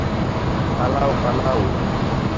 পালাও, পালাও!